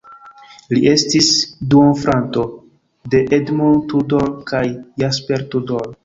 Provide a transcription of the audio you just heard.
Li estis duonfrato de Edmund Tudor kaj Jasper Tudor.